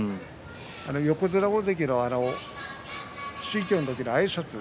横綱大関の推挙の時のあいさつ